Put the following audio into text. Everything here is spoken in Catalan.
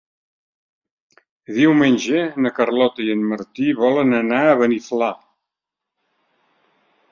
Diumenge na Carlota i en Martí volen anar a Beniflà.